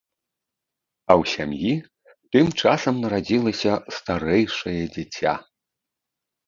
А ў сям'і тым часам нарадзілася старэйшае дзіця.